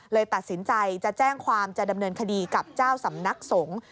เลยตัดสินใจจะแจ้งความจะดำเนินคดีกับเจ้าสำนักสงฆ์